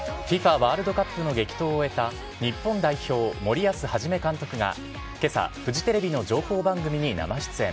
ワールドカップの激闘を終えた日本代表、森保一監督がけさ、フジテレビの情報番組に生出演。